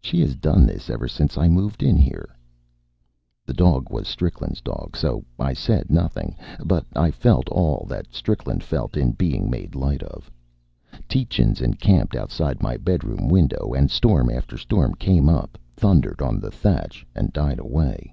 "She has done this ever since I moved in here." The dog was Strickland's dog, so I said nothing, but I felt all that Strickland felt in being made light of. Tietjens encamped outside my bedroom window, and storm after storm came up, thundered on the thatch, and died away.